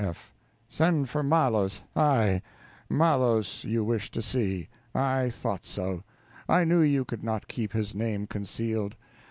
F. Send for Malos, aye! Malos you wish to see; I thought so. I knew you could not keep his name concealed.